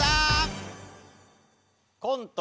コント